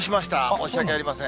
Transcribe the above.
申し訳ありません。